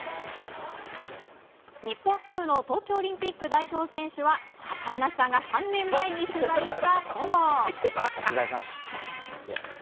日本ハムの東京オリンピック代表選手は亀梨さんが３年前に取材した近藤。